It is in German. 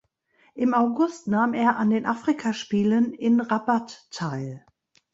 Im August nahm er an den Afrikaspielen in Rabat teil.